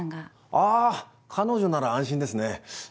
あぁ彼女なら安心ですねうん。